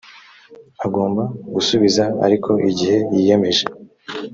agomba gusubiza ariko igihe yiyemeje